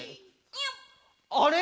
「あれ！